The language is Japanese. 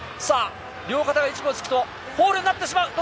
両肩が１秒つくとフォールになってしまう。